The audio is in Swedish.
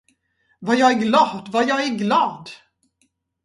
Vad jag är glad, vad jag är glad!